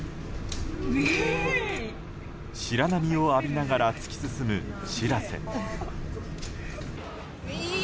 白波を浴びながら突き進む「しらせ」。